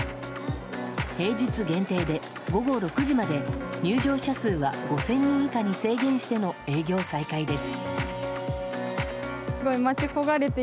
平日限定で、午後６時まで入場者数は５０００人以下に制限しての営業再開です。